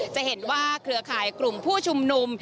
จะเห็นว่าเครือข่ายกลุ่มผู้ชุมนุม